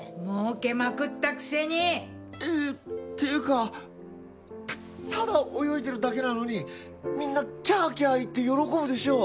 儲けまくったくせに！っていうかただ泳いでるだけなのにみんなキャーキャー言って喜ぶでしょう。